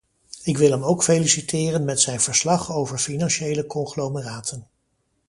Ik wil hem ook feliciteren met zijn verslag over financiële conglomeraten.